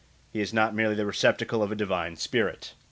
He is not merely the receptacle of a divine spirit.